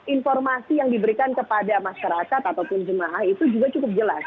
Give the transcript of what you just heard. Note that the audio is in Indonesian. informasi yang diberikan kepada masyarakat ataupun jemaah itu juga cukup jelas